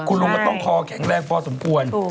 คูณลุงมันต้องคอแข็งแรงค่อนข้างพอสมควร